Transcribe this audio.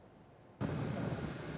đây là chuyến thăm các nhà nước